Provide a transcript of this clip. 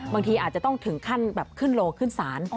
บางทีอาจจะต้องถึงขั้นแบบขึ้นโลขึ้นศาล